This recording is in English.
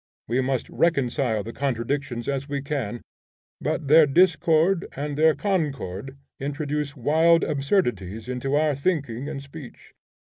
We must reconcile the contradictions as we can, but their discord and their concord introduce wild absurdities into our thinking and speech.